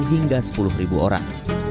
hingga sepuluh ribu orang